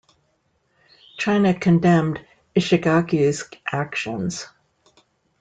China condemned Ishigaki's actions.